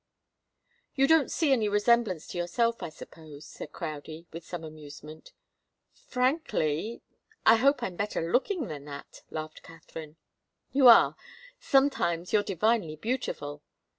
"You don't see any resemblance to yourself, I suppose," said Crowdie, with some amusement. "Frankly I hope I'm better looking than that," laughed Katharine. "You are. Sometimes you're divinely beautiful."